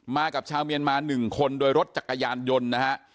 กับชาวเมียนมา๑คนโดยรถจักรยานยนต์นะฮะ